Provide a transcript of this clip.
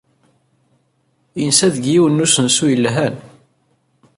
Yensa deg yiwen n usensu yelhan.